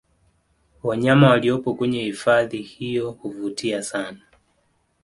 Wanyama waliopo kwenye hifadhi hiyo huvutia sana